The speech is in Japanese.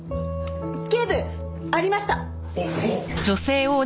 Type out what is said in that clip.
警部ありました。